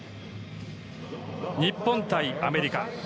日本対アメリカ。